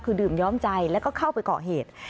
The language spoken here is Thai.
คือดื่มย้อมใจแล้วก็เข้าไปเกาะเหตุ